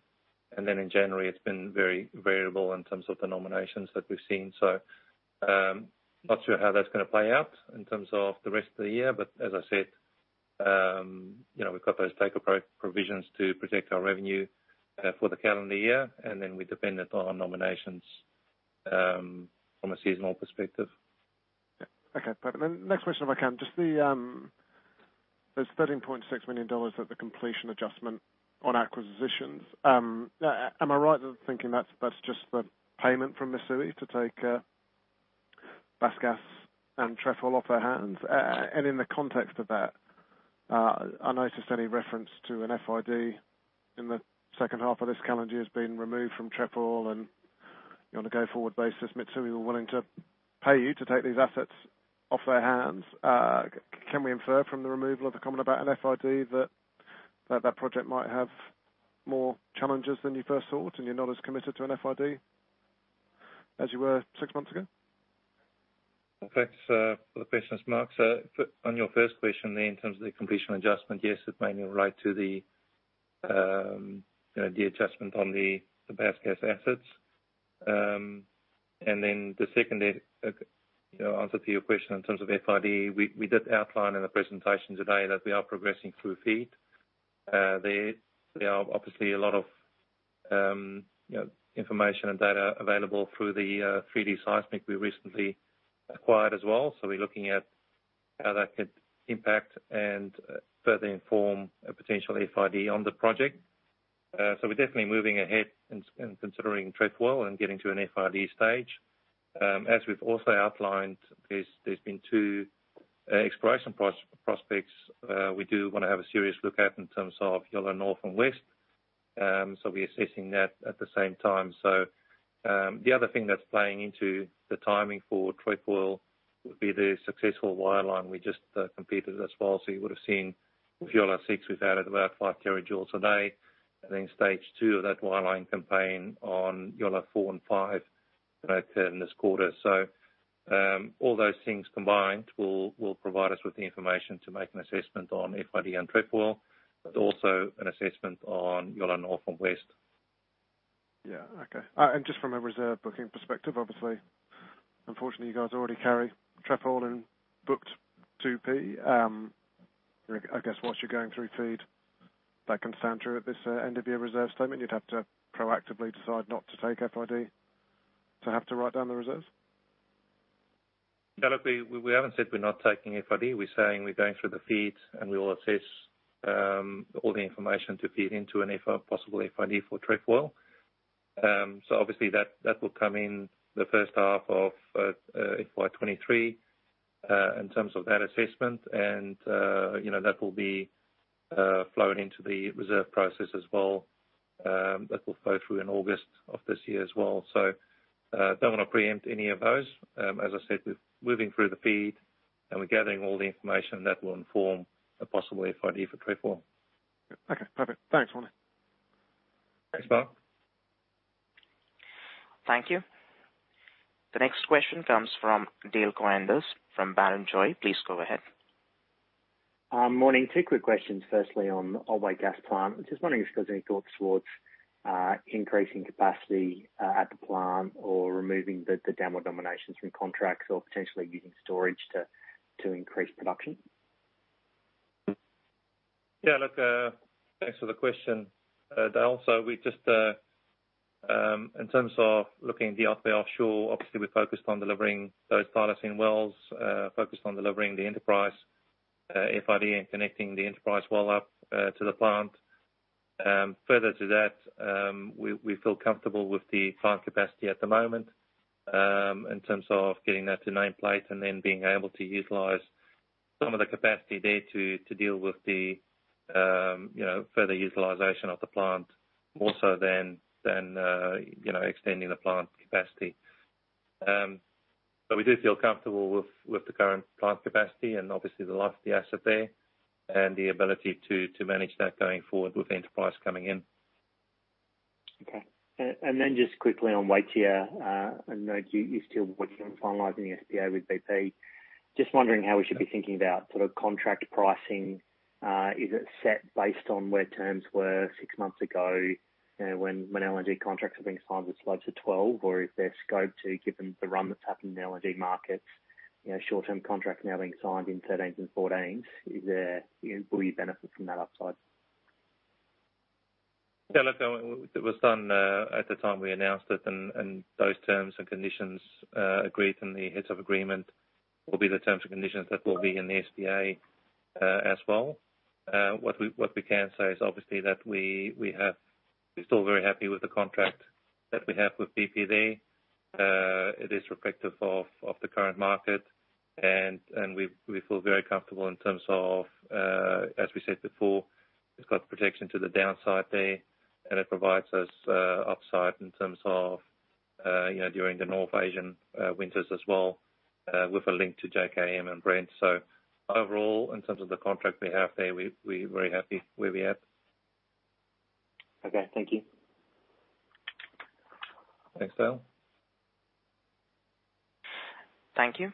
In January, it's been very variable in terms of the nominations that we've seen. Not sure how that's gonna play out in terms of the rest of the year. As I said, you know, we've got those take-or-pay provisions to protect our revenue for the calendar year, and then we're dependent on nominations from a seasonal perspective. Yeah. Okay. Perfect. Next question if I can. Just the, there's $13.6 million at the completion adjustment on acquisitions. Am I right in thinking that's just the payment from Mitsui to take BassGas and Trefoil off their hands? And in the context of that, I noticed any reference to an FID in the second half of this calendar year has been removed from Trefoil, and on a go-forward basis, Mitsui were willing to pay you to take these assets off their hands. Can we infer from the removal of the comment about an FID that that project might have more challenges than you first thought, and you're not as committed to an FID as you were six months ago? Thanks, for the questions Mark. On your first question there, in terms of the completion adjustment, yes, it's mainly in relation to you know, the adjustment on the BassGas Assets. The second answer to your question in terms of FID, we did outline in the presentation today that we are progressing through FEED. There are obviously a lot of you know, information and data available through the 3D seismic we recently acquired as well. We're looking at how that could impact, and further inform a potential FID on the project. We're definitely moving ahead in considering Trefoil and getting to an FID stage. As we've also outlined, there's been two exploration prospects we do wanna have a serious look at in terms of Yolla North and West. We're assessing that at the same time. The other thing that's playing into the timing for Trefoil would be the successful wireline we just completed as well. You would have seen Yolla six, we've added about five terajoules a day. Then stage two of that wireline campaign on Yolla four and five later in this quarter. All those things combined will provide us with the information to make an assessment on FID, and Trefoil, but also an assessment on Yolla North, and West. Yeah. Okay, just from a reserve booking perspective, obviously, unfortunately, you guys already carry Trefoil and booked 2P. I guess while you're going through FEED, that can stand true at this end of your reserve statement. You'd have to proactively decide not to take FID to have to write down the reserves. Yeah, look we haven't said we're not taking FID. We're saying we're going through the FEED, and we will assess all the information to feed into a possible FID for Trefoil. Obviously, that will come in the first half of FY 2023 in terms of that assessment. You know, that will be flow into the reserve process as well, that will flow through in August of this year as well. Don't wanna preempt any of those. As I said, we're moving through the FEED, and we're gathering all the information that will inform a possible FID for Trefoil. Okay perfect, thanks Morné Engelbrecht. Thanks, Mark. Thank you. The next question comes from Dale Koenders from Barrenjoey. Please go ahead. Morning, two quick questions. Firstly, on Otway Gas Plant. Just wondering if there's any thoughts toward increasing capacity at the plant or removing the downward nominations from contracts or potentially using storage to increase production. Yeah, look thanks for the question, Dale. We just, in terms of looking at the Offshore, obviously, we're focused on delivering those Thylacine wells, focused on delivering the Enterprise FID, and connecting the Enterprise well up to the plant. Further to that, we feel comfortable with the plant capacity at the moment, in terms of getting that to nameplate, and then being able to utilize some of the capacity there to deal with the, you know, further utilization of the plant more so than you know, extending the plant capacity. We do feel comfortable with the current plant capacity, and obviously the life of the asset there and the ability to manage that going forward with Enterprise coming in. Okay, and then just quickly on Waitsia, I know you're still working on finalizing the SPA with BP. Just wondering how we should be thinking about sort of contract pricing. Is it set based on where terms were six months ago, you know, when LNG Contracts are being signed with slides to 12? Or is there scope to given the run that's happened in the LNG Markets, you know, short term contracts now being signed in 13 and 14, is there, you know, will you benefit from that upside? Yeah, look it was done at the time we announced it, and those terms and conditions agreed in the Heads of Agreement will be the terms and conditions that will be in the SPA as well. What we can say is obviously that we're still very happy with the contract that we have with BP there. It is reflective of the current market, and we feel very comfortable in terms of, as we said before, it's got protection to the downside there, and it provides us upside in terms of, you know, during the North Asian Winters as well, with a link to JKM, and Brent. Overall, in terms of the contract we have there, we very happy where we are. Okay, thank you. Thanks, Dale. Thank you.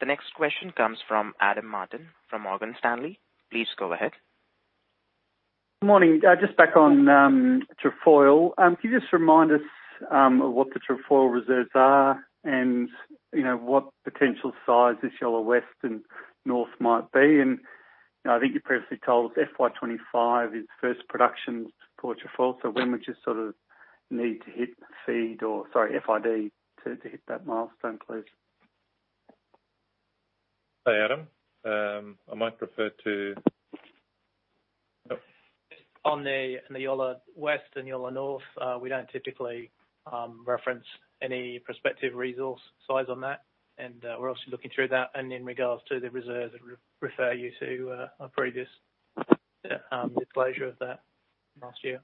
The next question comes from Adam Martin from Morgan Stanley. Please go ahead. Morning, just back on Trefoil. Can you just remind us what the Trefoil reserves are and, you know, what potential size this Yolla West and North might be? You know, I think you previously told us FY 2025 is first production for Trefoil, so when would you sort of need to hit FID to hit that milestone, please? Hey, Adam I might refer to. On the Yolla West and Yolla North, we don't typically reference any prospective resource size on that. We're obviously looking through that. In regard to the reserves, I'd refer you to a previous disclosure of that last year.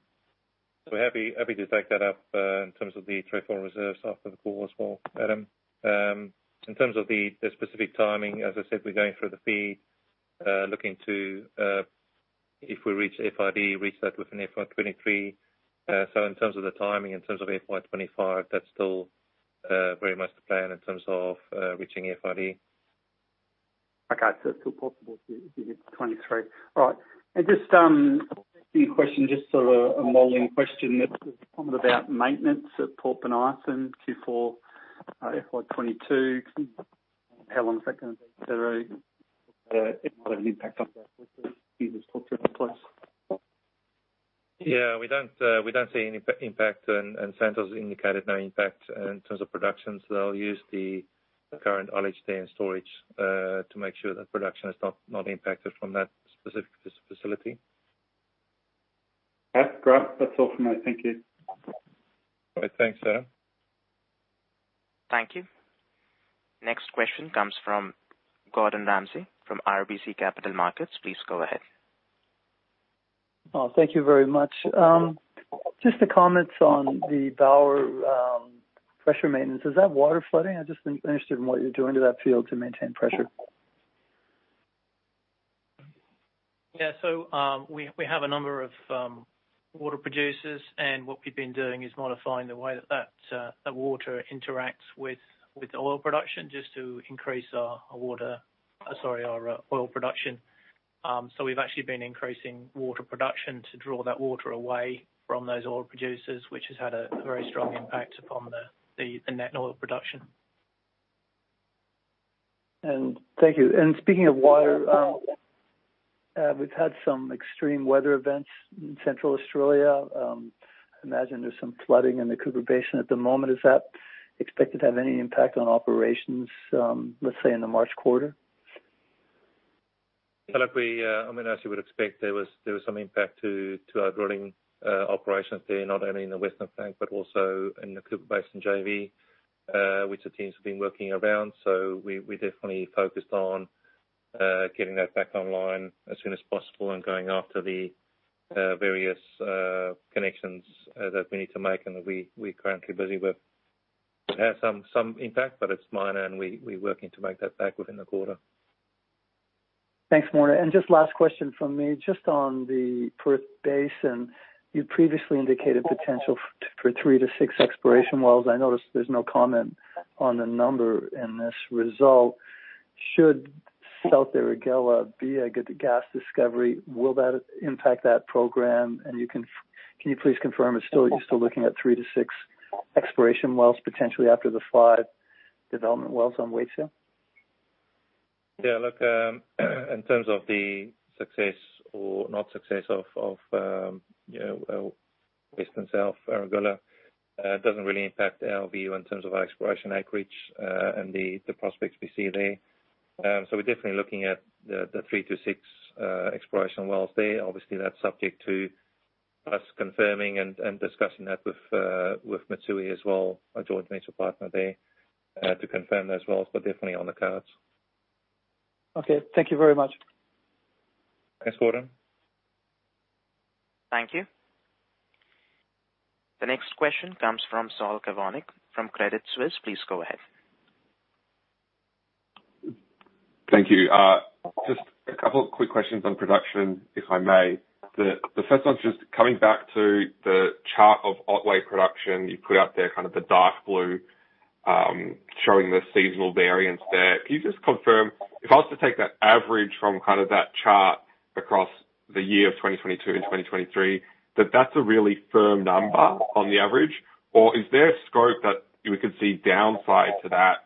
Happy to take that up in terms of the Trefoil reserves after the call as well, Adam. In terms of the specific timing, as I said, we're going through the FEED looking to if we reach FID, reach that within FY 2023. In terms of the timing in terms of FY 2025, that's still very much the plan in terms of reaching FID. Still possible to hit 23. All right, just a few question, just sort of a modeling question that was prompted about maintenance at Port Bonython, Q4, FY 2022. How long is that gonna be? Is there a impact on that, which Santos has talked about, please? Yeah, we don't see any impact, and Santos indicated no impact in terms of production. They'll use the current oil gas storage to make sure that production is not impacted from that specific facility. Okay. Great, that's all from me thank you. All right. Thanks, Adam. Thank you. Next question comes from Gordon Ramsay from RBC Capital Markets. Please go ahead. Oh, thank you very much. Just the comments on the Bauer pressure maintenance. Is that water flooding? I'm just interested in what you're doing to that field to maintain pressure. Yeah. We have a number of water producers, and what we've been doing is modifying the way that water interacts with oil production just to increase our oil production. We've actually been increasing water production to draw that water away from those oil producers, which has had a very strong impact upon the net oil production. Thank you, speaking of water we've had some extreme weather events in Central Australia. I imagine there's some flooding in the Kupe Basin at the moment. Is that expected to have any impact on operations, let's say in the March quarter? Yeah, look, I mean as you would expect, there was some impact to our Drilling Operations there, not only in the Western Flank, but also in the Cooper Basin JV, which the teams have been working around. We definitely focused on getting that back online as soon as possible, and going after the various connections that we need to make, and that we're currently busy with. It has some impact, but it's minor, and we're working to make that back within the quarter. Thanks Morné, just last question from me, just on the Perth Basin, you previously indicated potential for three-six Exploration wells. I noticed there's no comment on the number in this result. Should South Erregulla be a good gas discovery, will that impact that program? Can you please confirm, are you still looking at three-six Exploration wells potentially after the five development wells on Waitsia? Yeah. Look, in terms of the success or not success of you know West and South Erregulla, it doesn't really impact our view in terms of our exploration acreage and the prospects we see there. We're definitely looking at the three-six Exploration wells there. Obviously, that's subject to us confirming and discussing that with Mitsui as well, our joint venture partner there, to confirm those wells, but definitely on the cards. Okay, thank you very much. Thanks, Gordon. Thank you. The next question comes from Saul Kavonic from Credit Suisse. Please go ahead. Thank you, just a couple of quick questions on production, if I may. The first one's just coming back to the chart of Otway Production. You put out there kind of the dark blue, showing the seasonal variance there. Can you just confirm, if I was to take that average from kind of that chart across the year of 2022, and 2023 that that's a really firm number on the average? Or is there scope that we could see downside to that,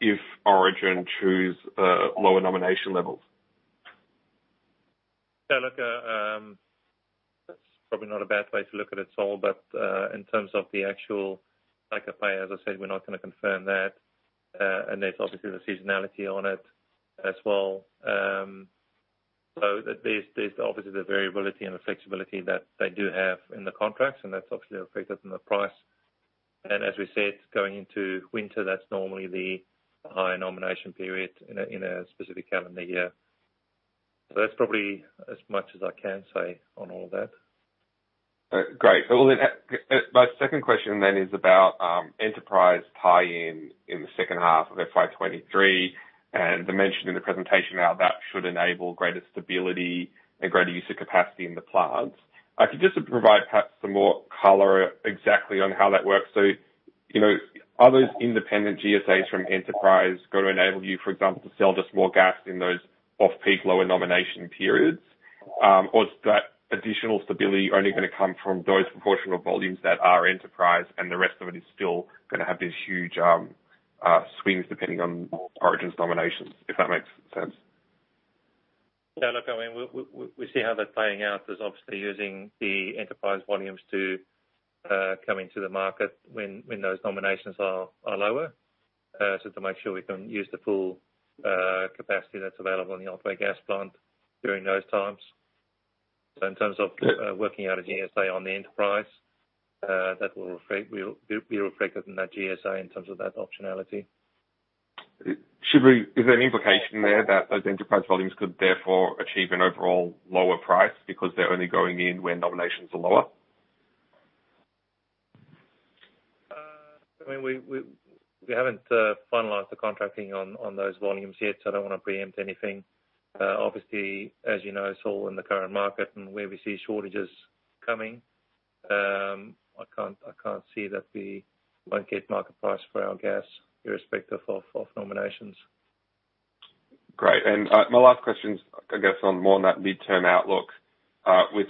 if Origin choose lower nomination levels. That's probably not a bad way to look at it, Saul. In terms of the actual take-or-pay, as I said, we're not gonna confirm that. There's obviously the seasonality on it as well. There's obviously the variability, and the flexibility that they do have in the contracts, and that's obviously reflected in the price. As we said, going into winter, that's normally the higher nomination period in a specific calendar year. That's probably as much as I can say on all that. Great, my second question is about Enterprise tie-in in the second half of FY 2023, and the mention in the presentation how that should enable greater stability, and greater use of capacity in the plants. Could you just provide perhaps some more color exactly on how that works? You know, are those independent GSAs from Enterprise gonna enable you, for example, to sell just more gas in those off-peak lower nomination periods? Or is that additional stability only gonna come from those proportional volumes that are Enterprise and the rest of it is still gonna have these huge swings depending on Origin's nominations, if that makes sense. Yeah, look I mean, we see how that's playing out. We're obviously using the enterprise volumes to come into the market when those nominations are lower, so to make sure we can use the full capacity that's available in the Otway Gas Plant during those times. In terms of working out a GSA on the enterprise, that will be reflected in that GSA in terms of that optionality. Is there an implication there that those enterprise volumes could therefore achieve an overall lower price because they're only going in when nominations are lower? I mean, we haven't finalized the contracting on those volumes yet, so I don't want to preempt anything. Obviously, as you know, Saul, in the current market, and where we see shortages coming, I can't see that we won't get market price for our gas irrespective of nominations. Great, my last question is, I guess, on more on that midterm outlook. With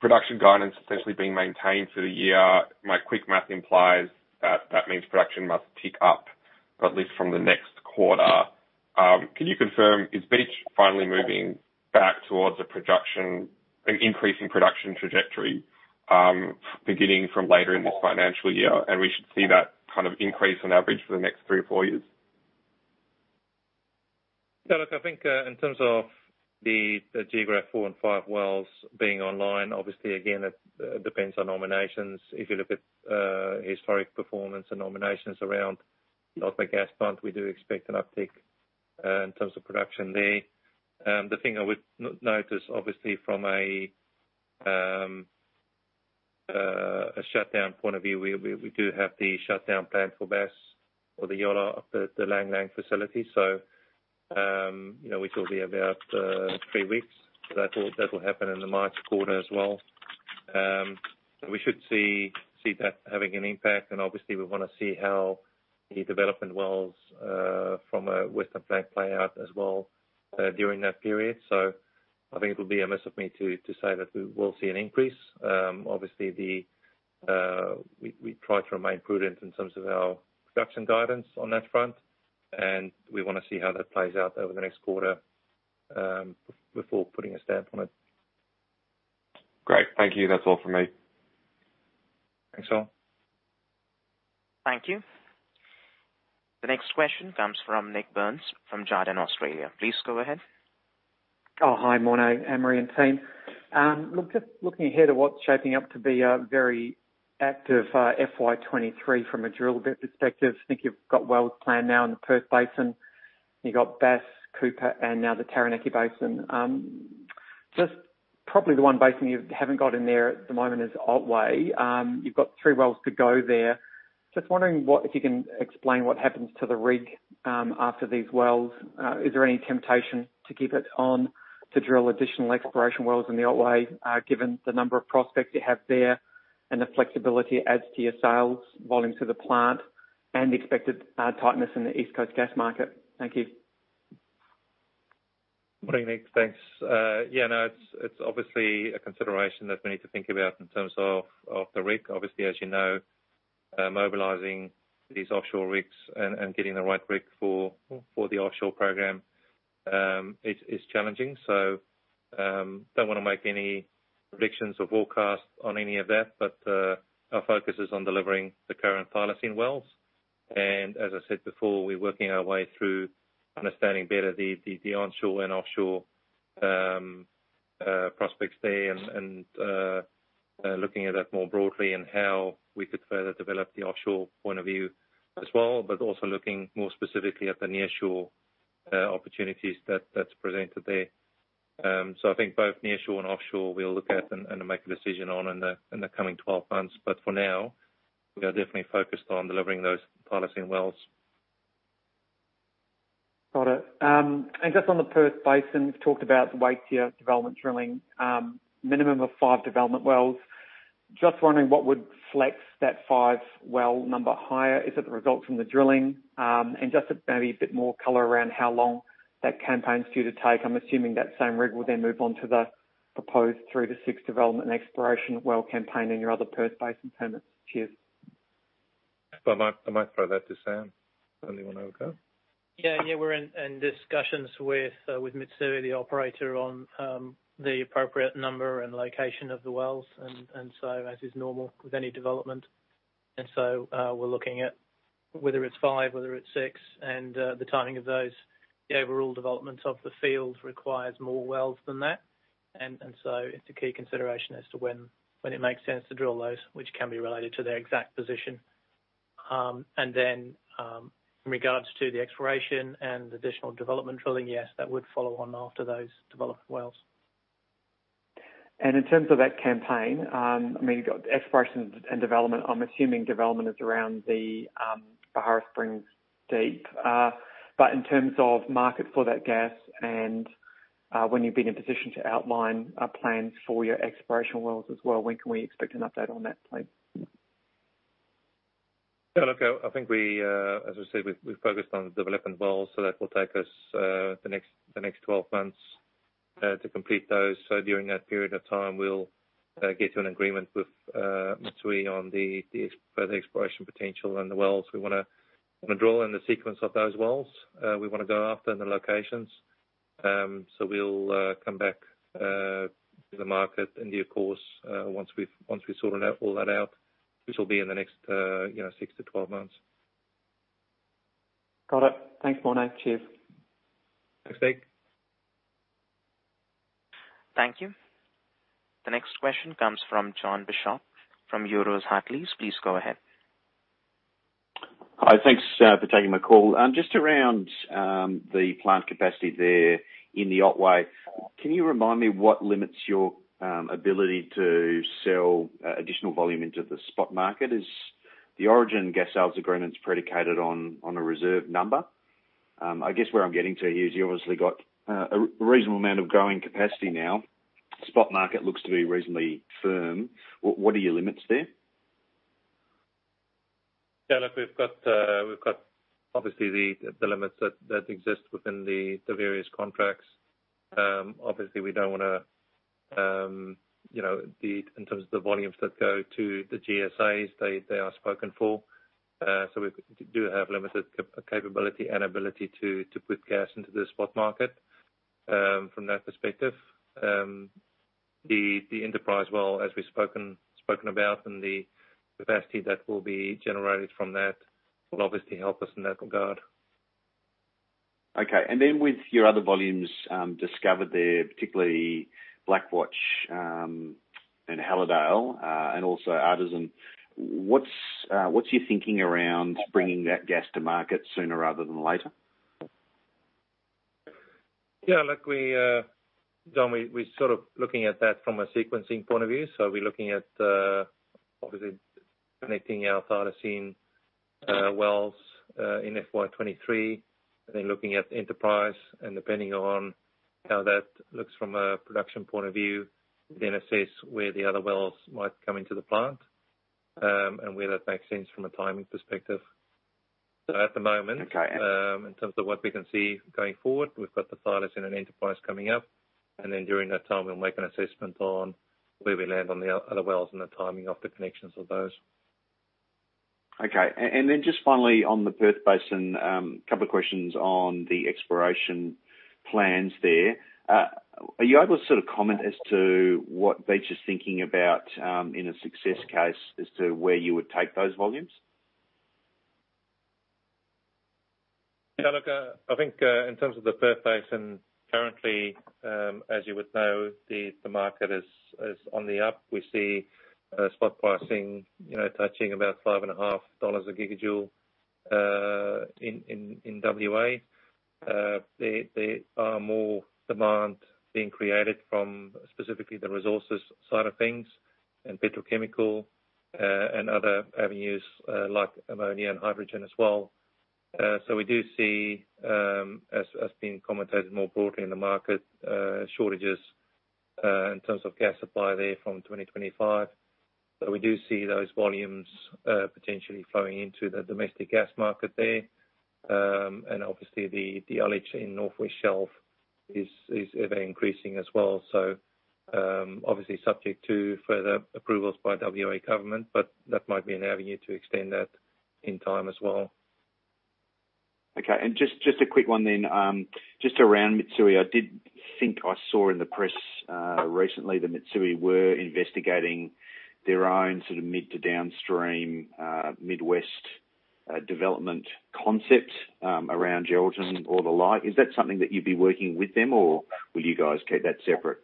production guidance essentially being maintained for the year, my quick math implies that that means production must tick up, at least from the next quarter. Can you confirm, is Beach finally moving back towards a production, an increasing production trajectory, beginning from later in this financial year, and we should see that kind of increase on average for the next three or four years? Yeah, look I think in terms of the Geographe-4 and -5 wells being online, obviously, again, it depends on nominations. If you look at historic performance and nominations around the Otway Gas Plant, we do expect an uptick in terms of production there. The thing I would notice, obviously, from a shutdown point of view, we do have the shutdown planned for the Bass, the Yolla, the Lang Lang Facility. You know, which will be about three weeks. That will happen in the March quarter as well. So, we should see that having an impact, and obviously, we want to see how the development wells from a Western Flank play out as well during that period. I think it will be amiss of me to say that we will see an increase. Obviously, we try to remain prudent in terms of our production guidance on that front, and we wanna see how that plays out over the next quarter, before putting a stamp on it. Great, thank you. That's all for me. Thanks, Saul. Thank you. The next question comes from Nik Burns from Jarden Australia. Please go ahead. Morning, Morné Engelbrecht and team. Look, just looking ahead at what's shaping up to be a very active FY 2023 from a drill bit perspective, I think you've got wells planned now in the Perth Basin. You've got Bass, Cooper, and now the Taranaki Basin. Just probably the one basin you haven't got in there at the moment is Otway. You've got three wells to go there. Just wondering if you can explain what happens to the Rig after these wells. Is there any temptation to keep it on to drill additional Exploration wells in the Otway, given the number of prospects you have there, and the flexibility it adds to your sales volumes for the plant, and the expected tightness in the East Coast Gas Market? Thank you. Morning Nick, thanks. Yeah, no it's obviously a consideration that we need to think about in terms of the Rig. Obviously, as you know, mobilizing these Offshore Rigs and getting the right Rig for the Offshore Program is challenging. Don't wanna make any predictions or forecasts on any of that, but our focus is on delivering the current Thylacine wells. As I said before, we're working our way through understanding better the onshore, and offshore prospects there, and looking at it more broadly and how we could further develop the offshore point of view as well. Also looking more specifically at the nearshore opportunities that's presented there. I think both nearshore, and offshore we'll look at and make a decision on in the coming 12 months. For now, we are definitely focused on delivering those Thylacine wells. Got it just on the Perth Basin, you've talked about the Waitsia Development Drilling, minimum of five development wells. Just wondering what would flex that five well number higher. Is it the results from the drilling? Just maybe a bit more color around how long that campaign's due to take. I'm assuming that same rig will then move on to the proposed three-six Development Exploration & Well Campaign in your other Perth Basin permits. Cheers. I might throw that to Sam. Anyone over there. Yeah. We're in discussions with Mitsui, the operator on the appropriate number and location of the wells, and so as is normal with any development. We're looking at whether it's five, whether it's six, and the timing of those. The overall development of the field requires more wells than that. It's a key consideration as to when it makes sense to drill those which can be related to their exact position. In regard to the Exploration and additional Development Drilling, yes, that would follow on after those development wells. In terms of that campaign, I mean, Exploration and Development, I'm assuming Development is around the Beharra Springs Deep. But in terms of market for that gas and when you've been in position to outline plans for your Exploration wells as well, when can we expect an update on that please? Yeah, look I think we, as I said, we focused on Development wells, so that will take us the next 12 months to complete those. During that period of time, we'll get to an agreement with Mitsui on the further Exploration potential, and the wells we wanna drill in the sequence of those wells we wanna go after, and the locations. We'll come back to the market in due course once we've sorted out all that out, which will be in the next, you know, six to 12 months. Got it, thank, Morné. Cheers. Thanks, Nik. Thank you. The next question comes from Jon Bishop from Euroz Hartleys. Please go ahead. Hi, thanks for taking my call. Just around the plant capacity there in the Otway. Can you remind me what limits your ability to sell additional volume into the spot market? Is the Origin Gas Sales Agreements predicated on a reserve number? I guess where I'm getting to here is you've obviously got a reasonable amount of growing capacity now. Spot market looks to be reasonably firm. What are your limits there? Yeah, look we've got obviously the limits that exist within the various contracts. Obviously, we don't wanna, you know, in terms of the volumes that go to the GSAs, they are spoken for. So, we do have limited capability and ability to put gas into the spot market from that perspective. The enterprise well, as we've spoken about and the capacity that will be generated from that will obviously help us in that regard. Okay, with your other volumes discovered there, particularly Blackwatch, and Halladale, and also others, what's your thinking around bringing that gas to market sooner rather than later? Yeah. Look, we're sort of looking at that from a sequencing point of view. We're looking at obviously connecting our Thylacine wells in FY 2023, and then looking at enterprise and depending on how that looks from a production point of view, then assess where the other wells might come into the plant, and where that makes sense from a timing perspective. At the moment. Okay. In terms of what we can see going forward, we've got Thylacine and an appraisal coming up, and then during that time we'll make an assessment on where we land on the other wells and the timing of the connections of those. Okay. Just finally on the Perth Basin, couple of questions on the Exploration Plans there. Are you able to sort of comment as to what Beach is thinking about, in a success case as to where you would take those volumes? Yeah, look I think in terms of the Perth Basin currently, as you would know, the market is on the up. We see spot pricing, you know, touching about 5.5 a gigajoule in WA. There are more demand being created from specifically the resources side of things and petrochemical, and other avenues like ammonia, and hydrogen as well. We do see as being commented more broadly in the market, shortages in terms of gas supply there from 2025. We do see those volumes potentially flowing into the Domestic Gas Market there. Obviously, the LNG in Northwest Shelf is ever-increasing as well. Obviously subject to further approvals by WA Government, but that might be an avenue to extend that in time as well. Okay, just a quick one then. Just around Mitsui. I did think I saw in the press recently that Mitsui were investigating their own sort of midstream to downstream, Mid-West, development concept, around Geraldton or the like. Is that something that you'd be working with them or will you guys keep that separate?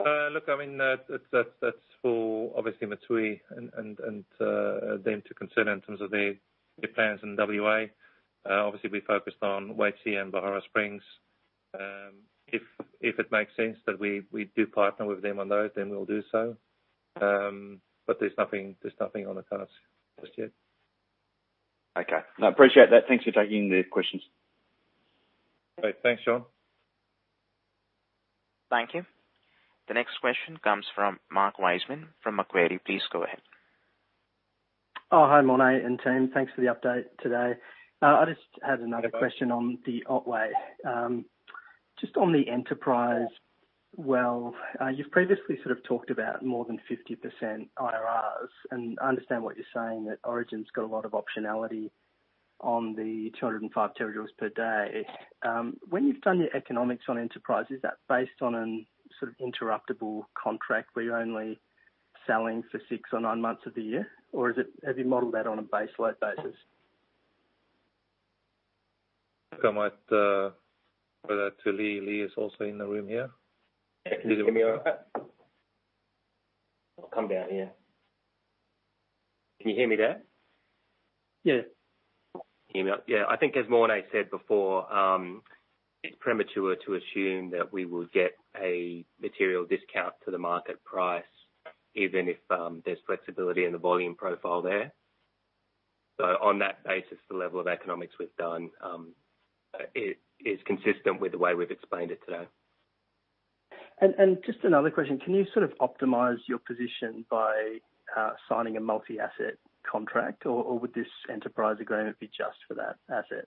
Look, I mean that's for obviously Mitsui and them to consider in terms of their plans in WA. Obviously, we focused on Waitsia and Beharra Springs. If it makes sense that we do partner with them on those, then we'll do so. There's nothing on the cards just yet. Okay, I appreciate that. Thanks for taking the questions. Great thanks, Jon. Thank you. The next question comes from Mark Wiseman from Macquarie. Please go ahead. Oh, hi Morné and team. Thanks for the update today. I just had another question on the Otway. Just on the Enterprise well, you've previously sort of talked about more than 50% IRRs, and I understand what you're saying, that Origin's got a lot of optionality on the 205 TJ per day. When you've done your economics on Enterprise, is that based on a sort of interruptible contract where you're only selling for six or nine months of the year? Or have you modeled that on a base load basis? I might hand that to Lee. Lee is also in the room here. Can you hear me all right? I'll come down here. Can you hear me there? Yeah. Can you hear me? Yeah. I think as Morné Engelbrecht said before, it's premature to assume that we will get a material discount to the market price, even if there's flexibility in the volume profile there. On that basis, the level of economics we've done is consistent with the way we've explained it today. Just another question. Can you sort of optimize your position by signing a multi-asset contract or would this enterprise agreement be just for that asset?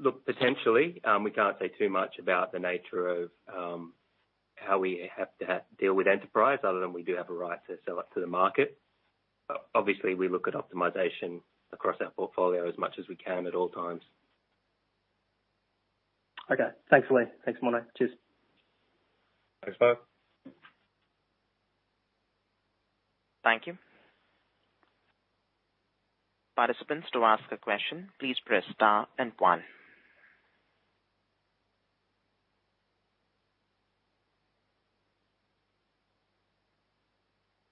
Look potentially, we can't say too much about the nature of how we have to deal with enterprise other than we do have a right to sell it to the market. Obviously, we look at optimization across our portfolio as much as we can at all times. Okay, thanks Lee. Thanks, Morné Engelbrecht. Cheers. Thanks, bye. Thank you. Participants, to ask a question, please press star and one.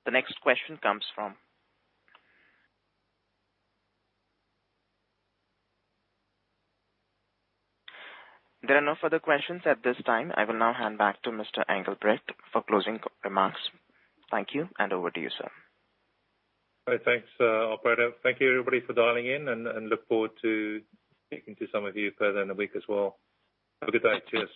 The next question comes from. There are no further questions at this time. I will now hand back to Mr. Engelbrecht for closing remarks. Thank you, and over to you, sir. All right, thanks, operator. Thank you, everybody for dialing in, and look forward to speaking to some of you further in the week as well. Have a good day. Cheers.